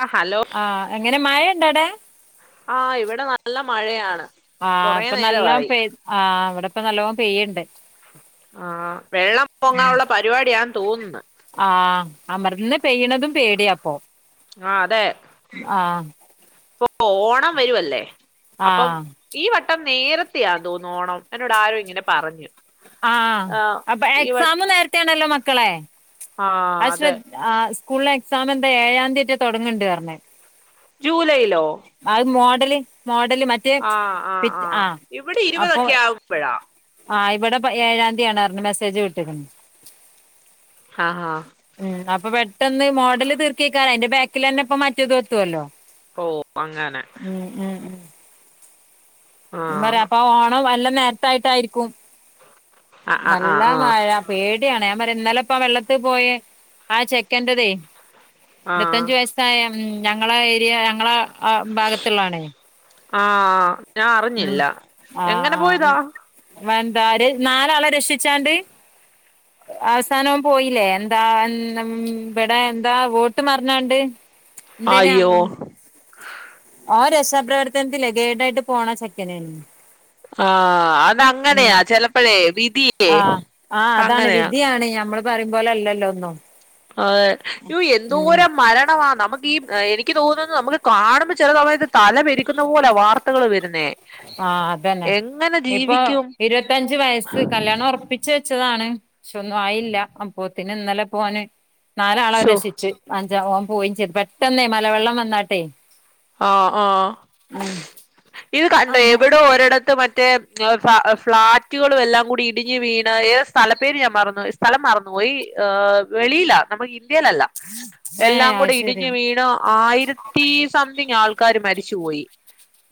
ആ ഹലോ ആഎങ്ങനെ മഴയുണ്ട അടെ ആ ഇവിടെ നല്ല മഴയാണ്. ആ് കൊറേ ഇപ്പൊ നല്ലോ നേരമായി പ ആ അവിടെ ഇപ്പ നല്ലോണം പെയ്യുണ്ട്. ആ വെള്ളം പോങ്ങാനുള്ള പരിപാടി ഞാൻ തോന്നുന്നു. ആ അമർന്ന് പെയ്യണതും പേടിയ അപ്പൊ ആ അതെ ആ ഓണം വരുല്ലേ ആ അപ്പം ഈ വട്ടം നേരത്തെെയയാ തോന്നോണം എന്നോട് ആരോ ഇങ്ങനെ പറഞ്ഞു. ആ ആഅപ്പൊ ഈ വ എക്സാം നേരത്തെെയ ആണല്ലോ മക്കളെ. ആ ശ്രദ്ധ ആ സ്കൂളെ എക്സാം എന്താ ഏഴാം തീയറ്റ തുടങ്ങണ്ട പറഞ്ഞ് ജൂലൈയിലോ? അഹ് മോഡല് മോഡല് മറ്റേ പിറ്റ് ആ ഇവിടെ അപ്പൊ ഇരുപതൊക്കെ ആകുമ്പഴാ ആ ഇവിടെ ഏഴാംതിയതിയാണ് മെസ്സേജ് വിട്ട്ക്ക്ണ് ആഹ ഹഹ അപ്പൊ പെട്ടന്ന് മോഡല് തീർക്കേക്കാ അതിന്റെ ബാക്കിൽന്നെ ഇപ്പ മറ്റേത് എത്തുവല്ലോ? ഓ അങ്ങനെ ഉം ഉം ആ പറയാ അപ്പൊ ഓണം വല്ല നേരത്ത ആയിട്ടായിരിക്കും. ആ ആ ആ നല്ല ആ മഴ പേടി ആണ് ഞാൻ പറ എന്നാലെപ്പ വെള്ളത്തിൽ പോയ ആ ചെക്കന്റതേ ആ ഇരുപത്തഞ്ചു വയസ്സായ ഞങ്ങള ഏരിയ ഞങ്ങള ഭാഗത്തുള്ളാണേ. ആഹ ഞാ ഉം അറിഞ്ഞില്ല എങ്ങനെ പോയതാ? വന്താ നാലാളെ രക്ഷിച്ചാണ്ട്. അവസാനവും പോയില്ലേ എന്താ ഇവിടെ എന്താ വോട്ട് മറഞ്ഞാണ്ട്. എന്തേനെ അയ്യോ [unintelligible] ഓന് രക്ഷാപ്രവർത്തനത്തില് ഗേഡായിട്ട് പോണ ചെക്കെനെനു ആ അതങ്ങനെയാ ചെലപ്പെഴേ വിധിയേ ആ അതാണ് അങ്ങനെയാ. വിധിയാണ് നമ്മള് പറയും പോലെ അല്ലല്ലോ ഒന്നും അതെ യോ ഉം എന്തോര മരണമാ നമക്ക് ഈ എനിക്ക് തോന്നുന്നു നമുക്ക് കാണുമ്പ ചെല തമയത്ത് തല പെരിക്കുന്ന പോലെ വാർത്തകൾ വെരുന്നേ ആ അതന്നെ ഇപ്പൊ ജീവിക്കും ഇരുവത്തഞ്ച് വ യസ്സ് കല്ല്യാണം ഒറപ്പിച്ച് ച്ചതാണ് പക്ഷെ ഒന്നും ആയില്ല അപ്പോത്തിന് ഇന്നലെപ്പ ഓന് നാലാളോൻ ശോ രക്ഷിച്ച് അഞ്ചാം ഓം പോയിം ചെയ്ത് പെട്ടെന്ന് മലവെള്ളം വന്നാട്ട് ആ ആ ഇത് കണ്ട അതെ എവിടോ ഒരിടത്ത് മറ്റ റ്റേ ഫ്ളാറ്റുകളും എല്ലാം കൂടി ഇടിഞ്ഞ് വീണ് ഏത് സ്ഥല പേര് ഞാൻ മറന്ന് പോയി സ്ഥലം മ പോയി വെളിയില നമ്മ ഇൻ ന്ത്യാല് എല്ല എല്ലാം ഏഹ് കൂടി അത് ശരി ഇടിഞ്ഞു വീണു ആയിരത്തി സംതിങ് ആൾക്കാര് മരിച്ചുപോയി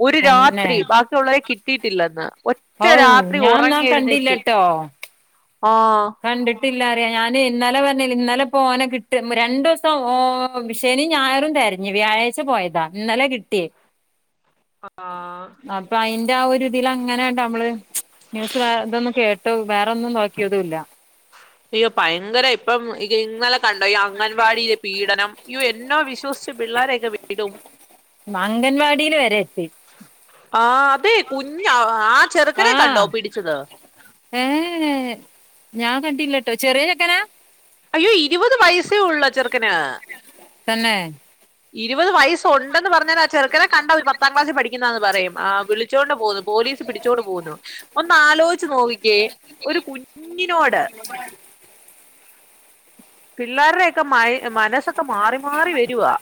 ഒരു തന്നെ രാത്രി ബാക്കിയുള്ളവരെ കിട്ടിയിട്ടില്ലെന്ന് ഒറ്റ ഔ രാത്രി ഞാൻ ന്നാ ഒറങ്ങി എഴുന്നേറ്റ് കണ്ടില്ലട്ടോ ആ ട്ടില്ലറിയ ഞാന് ഇന്നലെ വരണ്ടേനി ഇന്നലെ പോനെ കിട്ട് രണ്ടു സം ഓ ശനി ഞായറും തന്നെ തെരഞ്ഞു വ്യാഴാഴ്ച പോയതാ ഇന്നലെ കിട്ടിയേ ആ എന്റെ ആ ഒരുതില് അങ്ങനെണ്ട് നമ്മള് ന്യൂസ് വെ ഇതൊന്നും കേട്ട് വേറൊന്നും നോക്കിയതും ഇല്ല അയ്യോ പയെങ്കര ഇപ്പം ഇന്നലെ കണ്ടോ ഈ അംഗൻവാടീല് പീഡനം യൊ എന്നോ വിശ്വസിച്ച് പിള്ളോരൊക്കെ വീടും അംഗൻവാടീല് വരെ എത്തി ആ അതെ കു ആ ഏ എ ഞാൻ കണ്ടില്ല ട്ടൊ ചെറിയ ചെക്കനാ അയ്യോ ഇരുവത് വയസ്സേ ഒള്ള് ആ ചെറുക്കന് തന്നെ ഇരുവത് വയസ് ഉണ്ടെന്ന് പറഞ്ഞാല് ആ ചെറുക്കനെ കണ്ട ഒരു പത്താം ക്ലാസ്സ് പഠിക്കുന്നാന്ന് പറയുംആ വിളിച്ചോണ്ട് പോവുന്നു പോലീസ് പിടിച്ചോണ്ട് പോവുന്നു ഒന്ന് ആലോയിച്ച് നോക്കി ക്കെ ഒരു കുഞ്ഞിനോട് പിള്ളേർരെക്കെ മൈ മനസ്സൊക്കെ മാറി മാറി വെരുവാ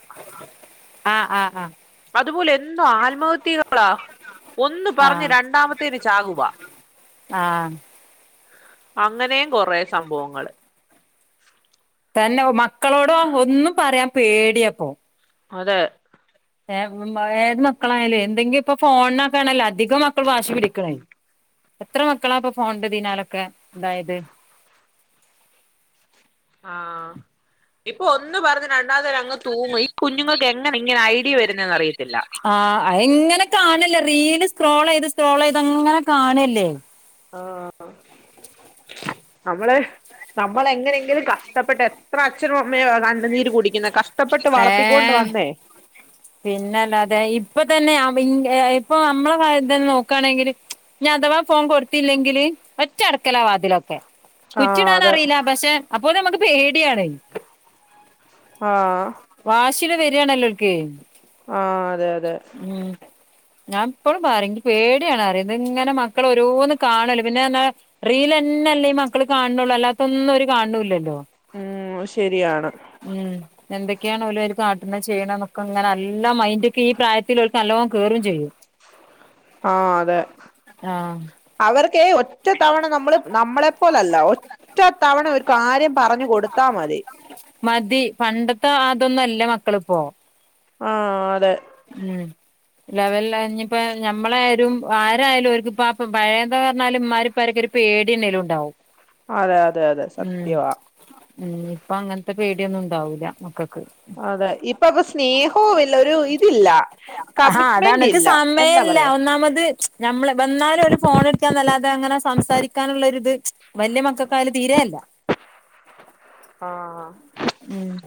ആഹ് ആഹ് ആഹ് അതുപോലെ എന്നു ആൽമഹത്യകളാ ഒന്ന് പറഞ്ഞ് ആഹ് രണ്ടാമത്തേന് ചാകുവ ആഹ് അങ്ങനെയും കൊറെ സംഭവങ്ങള് തന്നെ മക്കളോടോ ഒന്നും പറയാൻ പേടിയാപ്പോ അതെ ഏ മ് ഏത് മക്കളായാലു എന്തെങ്കിപ്പം ഫോണിനൊക്കെണെല്ലോ അധികം മക്കൾ വാശി പിടിക്കാ എത്ര മക്കളാ അപ്പൊ ഫോൺന്റെ പിന്നാലൊക്കെ ഇതായത് ആ ഇപ്പൊ ഒന്ന് പറഞ്ഞ് രണ്ടാമത്തെന അങ്ങ് തൂങ്ങു ഈ കുഞ്ഞുങ്ങൾക്ക് എങ്ങനെ ഇങ്ങന ഐഡിയ വരുന്നെന്ന് അറിയില്ല ആ അയ് ഇങ്ങനെ കാണല്ലേ റീല് സക്രോള്യ്ത് സക്രോള്യ്ത് അങ്ങനെ കാണ്ല്ലേ ആ നമ്മള് നമ്മളെങ്ങനെയെങ്കിലും കഷ്ടപ്പെട്ട് എത്ര അച്ഛനും അമ്മയൊ കണ്ണ് നീര് കുടിക്കുന്നെ കഷ് ഏ പിന്നെല്ലാതെ ഇപ്പ തന്നെ ഇപ്പന്റെ ഇപ്പൊ മ്മളെ കാര്യം തന്നെ നോക്കുണെങ്കില് ഞ്ഞ് അതവാ ഫോൺ കൊടുത്തില്ലെങ്കില് ഒറ്റ അടക്കലാവാ തിലൊക്കെ കുറ്റി ആഹ് അതെ ഇടാനറിയില്ല പഷെ അപ്പൊ നമുക്ക് പേടിയാണ് ആ വാഷി വെരി ആണ്ല്ലോ ഓൽക്ക് ആ അതെ അതെ ഞാപ്പഴും പറിം ഇൻക്ക് പേടിയാണന്നു ദ്ങ്ങനെ മക്ക ഇങ്ങനെ മക്കളോരോന്ന് കാണല്ലെപിന്നെ പറഞ്ഞ റീല്ലന്നെ പിന്നറീല് ല്ലീമക്കള്കാണൊള്ളു അല്ലാത്തൊന്നോര് കാണ് ണൂ ല്ലല്ലോ. ഉംമ്... ശരിയാണ്. എന്തെക്കേണോല്അയ്ല്കാട്ട്ണ് ചെയ്യ്ണ്ന്നൊക്കൊങ്ങനല്ലമൈന്റൊക്കെഈ പ്രായത്തില് നല്ലോം കേറും ചെയ്യും. ആ.... അതെ ആഹ് അവർ ക്കേ ഒറ്റത്തവണനമ്മള് നമ്മളപോലല്ല ഒറ്റ തവണ ഒരു കാര്യം പറഞ്ഞു കൊടുത്താൽ മതി. മതി പണ്ടത്ത ആതൊന്നുമല്ലമക്കളിപ്പോ ആ.... അതെ ലെവല്ലാഞ്ഞിപ്പോ ഞമ്മളായാലും ആരായാലും ഓർക്ക്പ്പാപഴെ ന്താ പറഞ്ഞാല് മ്മാര്പ്പാരൊക്കെപേട്യേന്നേലുംണ്ടാവും അതെയതെ അതെ സത്യവാണ്. മ് പ്പങ്ങൻത്തെപേടിയൊന്നുണ്ടാവൂല മക്കൾക്ക് അതെ ഇപ്പക്കെ സ്നേഹോല്ല്യ ഒരു ഇതില്ലാ കമ്മിറ്റ്മെന്റില്ലാ എ തല്ലാ... ഒന്നാമത് ഞമ്മള് വന്നാലോല് ഫോണ് കളിക്കാന്നല്ലാതെങ്ങനെ സംസാരിക്കാനുള്ളൊരിത് വല്ല്യമക്കകായാലും തീരെയില്ല ആ.... ഉംമ്.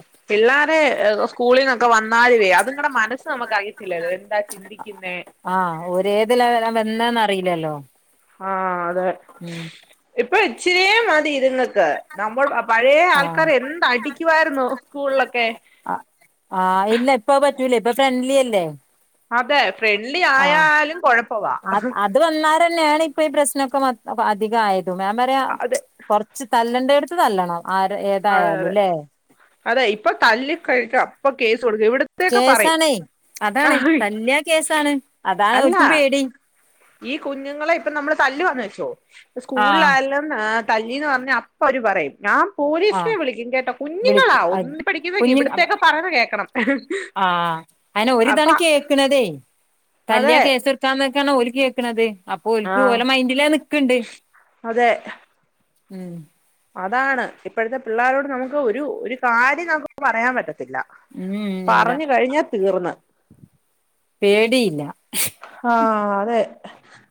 ത്... അ സ്കൂളിനൊക്കെവന്നാലില്ല്യേ അതിങ്ങടെ മനസ് നമ്മകറിയത്തില്ലല്ലോ എന്താ ചിന്തിക്കിന്നേ.... അ ഒരേത് ലെവെലാന്നൊന്നേ അറിയില്ലല്ലോ... ആ.. അതെ ഉം ഇപ്പൊ ഇചിരിയേ മതിഇത്ങ്ങക്ക് നമ്മള് അ പഴേ ആഹ് ആൾക്കാാര് എന്തടിക്കുവാർന്നു സ്കൂളിലൊക്കെ ഇപ്പവ് പറ്റൂലേ ഇപ്പ ഫ്രണ്ട്ലിഅല്ലേ അതെ ഫ്രണ്ട്ലിയായാലും കൊഴപ്പവാ ഇപ്പ ഈ പ്രശ്നൊ ക്കെ അധികായത് ഞാൻ പറയാ. അതെ കുറച്ചു തല്ലണ്ടോട്ത്ത് തല്ലണം ആരെ അതെ അതെ ഏതായാലുംല്ലെ അതെ ഇപ്പൊ തല്ലി കഴ്ഞാ അപ്പൊ കേ സ് കൊടുക്കും ഇവിട്ത്തൊക്കെപറയും കേസാണേ അതാണ് അഹ് തല്ലിയാ കേസാണ് അതാണ് അല്ലാ.... ഓൽക്കും പേടി ഈ.. കുഞ്ഞുങ്ങളെ ഇപ്പൊനമ്മള് തല്ല് വാന്ന് വെച്ചോ സ്കൂള് ആഹ് ലായാലും തല്ലീന്ന് പറഞാപ്പവര് പറയും ഞാ... പോലീസിനെ ആഹ് വിളിക്കുംകേട്ടൊ കുഞ്ഞിങ്ങളാ.. വിളിക്കും അത് ഒന്നി പഠിക്കുന്ന കുഞ്ഞി ഇവ്ട്ത്തെയൊക്കെ പറയുന്നേ കേൾക്കണം അയ്ന് ഓരിതാണെ കേക്ക്ണതേ.. തല്യാ അതെ കേസ്ട്ക്കാന്നൊക്കാണ് ഓര് കേക്ക്ണത് അപ്പോൽക്ക് ആഹ് ഓലെ മൈന്റിലത് നിക്ക്ണ്ട് അതെ അതാണ് ഇപ്പഴത്തെ പിള്ളാരോട്നമുക്ക് ഒരു ഒരു കാര്യം നമുക്ക് പറയാൻ പറ്റത്തി ത്തില്ലാ.. ഉം ഇല്ല പറഞ് കഴിഞാ തീർന്ന് പേടിയില്ലാ.... ആ... അതെ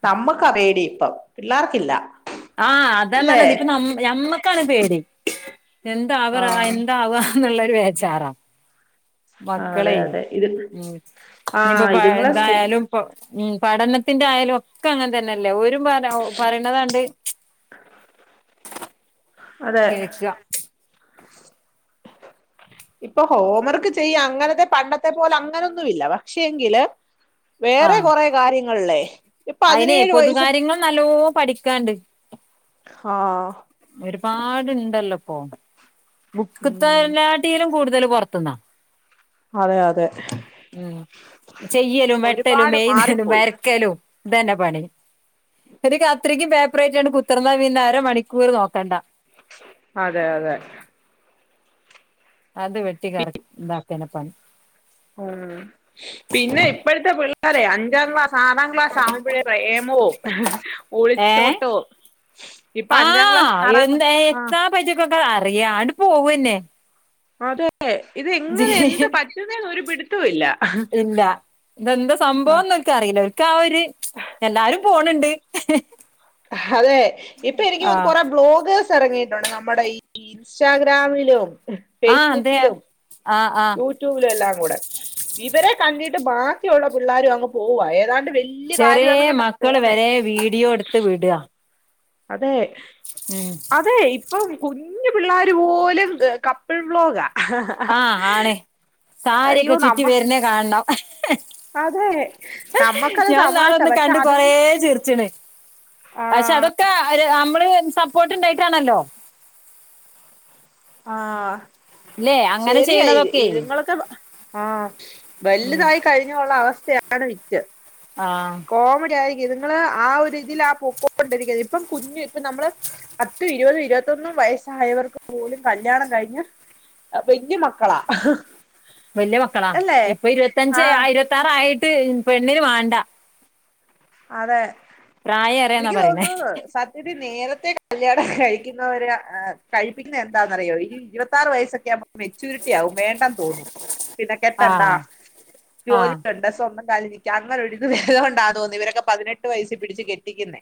നമ്മക്കറിയാടിയിപ്പോ പിള്ളാർക്കില്ല ആ... അതെന്നാണ്നിപ്പ ഞമ്മ നമ്മക്കാണ് പേടി എന്താവ്റ ആഹ് എന്താവാ.. ന്ന്ള്ള വേജാറാ... അതെ മക്കളെയ് അതെ ഇത് മ് ഇനിപ്പൊ ആഹ് പഴ് ഇതുങ്ങളെ സ്കൂ ന്തായാലുംപ്പൊ ഉം. പഠനത്തിന്റായാലും ഒക്കങ്ങനെതന്നല്ലെ ഓരും പ പറയിണതാണ്ട് അതെ കേക്കാ.. [inaudible] ഇപ്പൊ ഹോം വർക്ക് ചെയ്യാ അങ്ങനത്തെ പണ്ടത്തെപോല ങ്ങാനൊന്നുവില്ല പക്ഷെങ്കിലെ.. വേറെ ആഹ് കൊറേ കാര്യങ്ങള്ലേ... അയിനെ പൊതു കാര്യങ്ങൾ നല്ലോം പഠിക്കാണ്ട് ആ... ഒരുപാട്ണ്ടല്ലപ്പൊ ഉം ബുക്ക്ത്തെയ്ലാട്ടിലും കൂടുതല് തല് പൊറത്ത്ന്നാ... അതെ അതെ ഉം ചെയ്യലും, വെട്ടലും, ഒരുപാട് എഴുതലും, മാറിപ്പോയി വരക്കലും. ഇതന്നെ പണി എനിക്ക് അത്രക്കും പേപ്പറ ആായിട്ടാണ് കുത്തിർന്നാ പിന്നെഅര മണിക്കൂർ നോക്കണ്ട. അതെ അതെ അത് വെട്ടികാറ താക്ണപ്പണി. ഉ പിന്നെ ഇപ്പോഴത്തെ പിള്ളോര അഞ്ചാം ഗ്ലാസ്സ്. ആറാംക്ലാസ് ആവുമ്പോഴേ പ്രേമവും. ഏ ഒളിച്ചോട്ടോ ഇപ്പൊ അഞ്ചാം ക്ലാസ് ആറാം ക്ലാസ് ആ. അറിയാട് പോവെന്നെ ഇത്ങ്ങനെ എന്ത് പറ്റുന്നേ ഒരു പിടുത്തവും ഇല്ല. ഇല്ല ഇതെന്താ സംഭവംന്ന്ക്ക അറിയില്ല. ക ഓര്എല്ലാരും പോണിണ്ട്. ഹ് ഹ് അതെ ഇപ്പൊ എനിക്ക്ന്ന് കൊറെ ബ്ലോഗേഴ്സ്.. ഇറങ്ങിയിട്ടുണ്ട് നമ്മുടെ ഈ ഇൻസ്റ്റാഗ്രാമിലും ആഹ് അതെ ഫേസ്ബുക്കിലും. ആഹ് ആഹ് യൂട്യൂബില് എല്ലാം കൂടെ. ഇവരെ കണ്ടിട്ട് ബാക്കിയുള്ള പിള്ളേരും അങ്ങ് പോവ ഏതാണ്ട്. വെ വല്യ ചെറിയ കാര്യംന്ന കണ്ട മക്കള് പോന്നേ വരെ വീഡിയോ എടുത്ത് വിടാ അതെ. ഉം അപ്പൊ കുഞ്ഞു പിള്ളേർ പോലെ കപ്പിൾ ബ്ലോഗ, ആഹ് ആണ് സാരിയൊക്കെ ചുറ്റി വരുന്നേ കാണണം അതെ നമ്മക്കത് ഞാൻ തമാശ നാളൊന്ന് പക്ഷെ കണ്ടു കൊറ അതും ചിരിച്ചണ്. ആ പക്ഷെ അതൊക്കെ നമ്മള് സപ്പോർട്ട് ഉണ്ടായിട്ടാണല്ലോ. ആഹ ല്ലേ അങ്ങനെ ശരിയായി ചെയ്യണതൊക്കെ ഇ തിങ്ങളൊക്കെ. ആഹ ഉം വലുതായി കഴിഞ്ഞുള്ള അവസ്ഥയാണ് വിറ്റ്. ആഹ് കോമടിയ്യായി. നിങ്ങള് ആ ഇതിൽ ആ [unintelligible] ഇപ്പം കുഞ്ഞു ഇപ്പ നമ്മള് പത്ത് ഇരുപത് ഉം ഇരുപത്തൊന്നും. വയസ്സായവർക്ക് പോലും കല്യാണം കഴിഞ്ഞ വല്യ മക്കളാ. വല്യ മക്കളാാണ് അല്ലേ ഇപ്പൊ ഇരുപത്തഞ്ച് ആഹ് ഇരുപത്തിയാറ്ആായിട്ട് പെണ്ണിന് വേണ്ട. അതെ പ്രായേറെന്നാ എനിക്ക് പറയണേ തോന്നുന്നു സത്യത്തി നേരത്തെ. കഴിക്കുന്നവര് കഴിപ്പിക്കുന്ന എന്താണന്ന്റിയോ ഈ ഇരുപറ് വയസ്സ് ക്കെ. മെച്യൂരിറ്റി ആവും വേണ്ട തോന്നും പിന്നെ കെട്ടണ്ട ആഹ് ആഹ് ജോലികുണ്ട സ്വന്തം. അങ്ങനെ ഒരു ത് വരണ്ട തോന്നി ഇവരൊക്കെ പതിനെട്ട് വയസി പിടിച്ച് കെട്ടിക്കുന്നേ.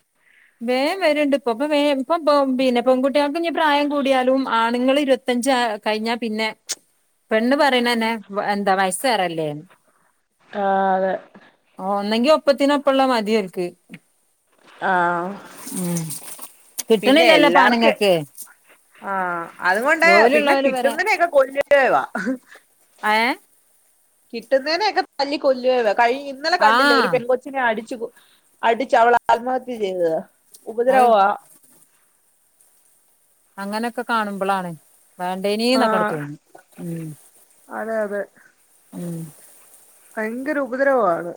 വേം വരുണ്ട് ഇപ്പൊ ഇപ്പ വ ഇപ്പ പിന്നെ പെൺകുട്ടാ ക്ഞ്ഞി. പ്രായം കൂടിയാലും ആണുങ്ങൾ ഇരുപത്തഞ്ച് കഴിഞ്ഞാ പിന്നെ. പെണ്ണ് പറയണന്നെ എന്താ വയ്സ്സ് റല്ലേന്ന്. ആതെ ഒന്നെങ്കി ഒപ്പത്തിനുപ്പള്ള തമതിോർക്ക്. ആഹ് ഉ കിട്ടണില്ലല്ലോ പൊആണുങ്ങൾക്ക്. ആഅതുകൊണ്ട പിന്നെ ഉള്ളോല് വരെ കിട്ടുന്നതിനെൊക്കെ കൊല്ലവാ അ കിട്ടുന്നതിനെയ ഒക്കെ തല്ലി കൊല്ലുവ ഇന്നലെ കണ്ടില്ല ഒരു ആഹ് പെൺ കൊച്ചിനെ അടി അടിച്ച അവള ആത്മഹത്യ ചെയ്തത് അത് ഉപദ്രവമാ അങ്ങനൊക്കെ കാണുമ്പോളാണ് വേണ്ടേനന്നൊക്കെ ആഹ് തോന്നും. അതെ അതെ ഉം ഭയങ്കര ഉപദ്രവമാണ്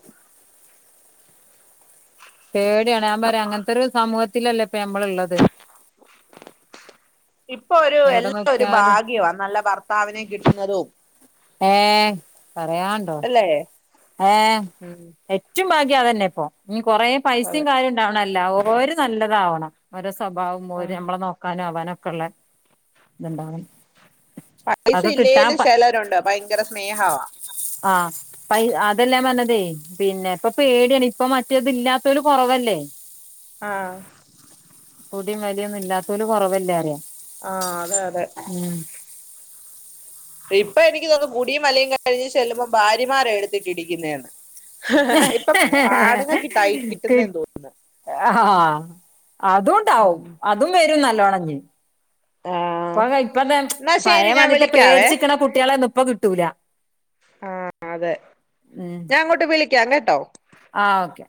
പേടിയാണ് ഞാൻ പറയാ അങ്ങനത്തെ ഒരു സമൂഹത്തിലല്ലേ ഇപ്പ നമ്മള് ഉള്ളത്. ഇപ്പൊ ഒരു എവിടെ എല്ലാ ഒരു നോക്കിയാലും ഭാഗ്യമാണ് നല്ല ഭർത്താവിനെ കിട്ടുന്നതും. ഏർ പറയാണ്ടോ അല്ലേ ഏ ഉം ഏറ്റവും ഭ തന്നെ ഇപ്പൊ കൊറേ പൈസയും അതെ കാര്യം ഉണ്ടാവണല്ല ഓ ര്നല്ലതാവണം ഓര.. സ്വഭാവം ആഹ് പോലെനമ്മളെ നോക്കാനും അവാനൊക്കെ ഉള്ള ഇത്ണ്ടാവണം. പൈസ അതൊക്കെ കിട്ടാൻ ഇല്ലേലും പ ചിലരുണ്ട് ഭയങ്കര സ്നേഹവാ. അതെല്ല ഞാൻ പറഞ്ഞതേ പിന്നെ ഇപ്പ പേടിയാണ് ഇപ്പൊ മറ്റേത് ഇല്ലാത്തവരു കുറവല്ലേ ആ കുടിം വലിയൊന്നും ഇല്ലാത്തല കുറവല്ല അറിയാം ആ അതെ അതെ ഇപ്പൊ എനിക്ക് തോന്നും കുടിയും വലിയും കഴിഞ്ഞ് ചെല്ലുമ്പോ ഭാര്യമാർ എടുത്തിട്ട് ഇടിക്കുന്നതന്ന് കിട്ടുന്നേന്ന് തോന്നുന്നു ആആആ അതുംണ്ടാവും ഉം അതും വരും നല്ലോണം ആഹ് ഇപ്പോ ഇപ്പന്ത എന്നാ പയ ശരി ഞാൻ പണ്ടത്തെ ത്തെ വിളിക്കാവേ പേടിച്ചിക്ക കുട്ടികളെയിരുന്നു അപ്പ കിട്ടൂല ആ അതെ ഞാൻ അങ്ങോട്ട് വിളിക്കാം കേട്ടോ ആ ഓക്കെ